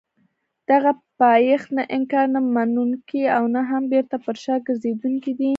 دغه پایښت نه انکار نه منونکی او نه هم بېرته پر شا ګرځېدونکی دی.